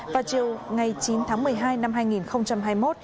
vào chiều ngày chín tháng một mươi hai năm hai nghìn hai mươi một